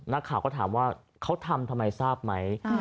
นักข่าวก็ถามว่าเขาทำทำไมทราบไหม